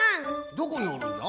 どこにおるんじゃ？